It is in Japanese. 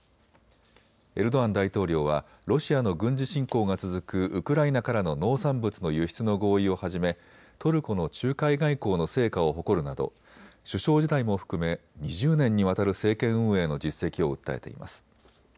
エルドアン大統領はロシアの軍事侵攻が続くウクライナからの農産物の輸出の合意をはじめトルコの仲介外交の成果を誇るなど首相時代も含め２０年にわたる政権運営の実績を訴えています。